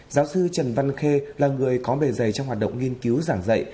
giáo sư trần văn khê là người có bề dày trong hoạt động nghiên cứu giảng dạy